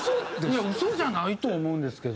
いや嘘じゃないと思うんですけど。